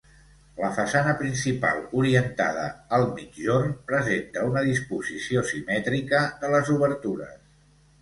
La façana principal, orientada al migjorn, presenta una disposició simètrica de les obertures.